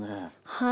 はい。